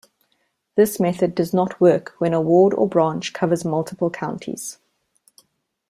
This method does not work when a ward or branch covers multiple counties.